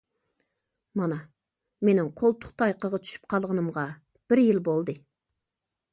مانا مېنىڭ قولتۇق تايىقىغا چۈشۈپ قالغىنىمغا بىر يىل بولدى.